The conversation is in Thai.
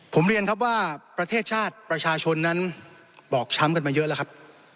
ผมเรียนครับว่าประเทศชาติประชาชนนั้นบอบช้ำกันมาเยอะแล้วครับ